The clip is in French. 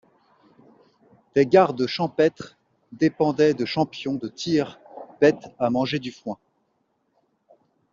Des gardes champêtres dépendaient de champions de tir bêtes à manger du foin.